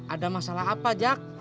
ada masalah apa jak